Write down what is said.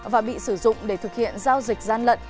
và bị sử dụng để thực hiện giao dịch gian lận